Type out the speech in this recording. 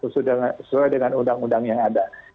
sesuai dengan undang undang yang ada